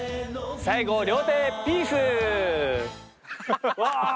最後両手ピース！